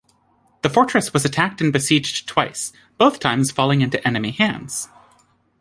The fortress was attacked and besieged twice, both times falling into enemy hands.